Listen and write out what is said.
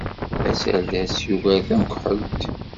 Aserdas yuker tamekḥelt.